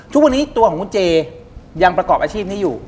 ทุกวันนี้ตัวของคุณเจยังประกอบอาชีพนี้อยู่